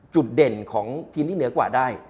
จุดเด่นของทีมที่เหนือกว่าได้